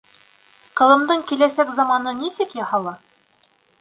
Ҡылымдың киләсәк заманы нисек яһала?